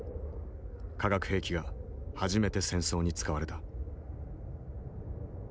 化学兵器が初めて戦争に使われた。